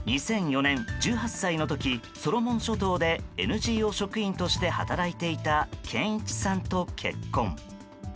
２００４年、１８歳の時ソロモン諸島でＮＧＯ職員として働いていた謙一さんと結婚。